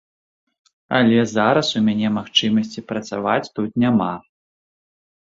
Але зараз у мяне магчымасці працаваць тут няма.